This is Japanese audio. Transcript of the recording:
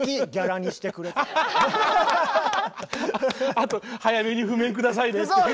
あと早めに譜面下さいねっていう。